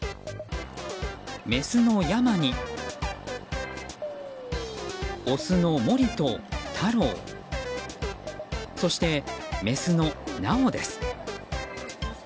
メスのヤマにオスのモリとタロウそして、メスのナオです。